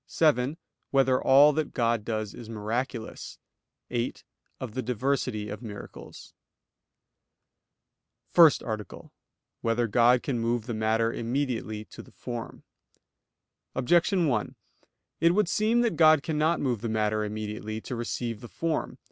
(7) Whether all that God does is miraculous? (8) Of the diversity of miracles. _______________________ FIRST ARTICLE [I, Q. 105, Art. 1] Whether God Can Move the Matter Immediately to the Form? Objection 1: It would seem that God cannot move the matter immediately to receive the form.